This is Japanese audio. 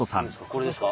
これですか？